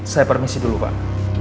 saya permisi dulu pak